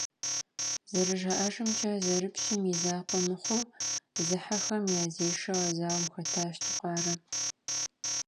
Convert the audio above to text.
Зэрыжаӏэжымкӏэ, зэрыпщым и закъуэ мыхъуу, зыхьэхэм я дзэзешэу а зауэм хэтащ Тукъарэ.